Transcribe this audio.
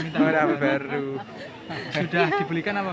sudah dibelikan apa